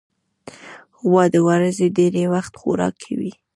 غوا د ورځې ډېری وخت خوراک کوي.